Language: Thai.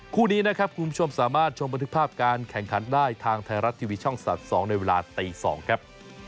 คู่นี้นะครับคุณผู้ชมสามารถชมบันทึกภาพการแข่งขันได้ทางไทยรัฐทีวีช่อง๓๒ในเวลาตี๒ครับ